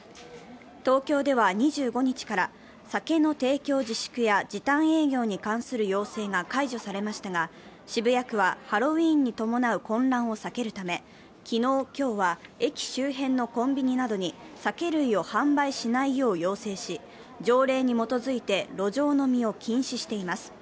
東京では２５日から酒の提供自粛や時短営業に関する要請が解除されましたが、渋谷区はハロウィーンに伴う混乱を避けるため昨日、今日は駅周辺のコンビニなどに酒類を販売しないよう要請し、条例に基づいて路上飲みを禁止しています。